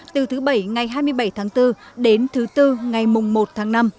từ thứ bảy ngày hai mươi bảy tháng bốn đến thứ bốn ngày mùng một tháng năm